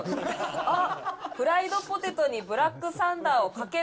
あっ、フライドポテトにブラックサンダーをかける。